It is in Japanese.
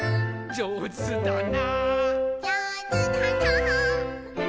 「じょうずだな」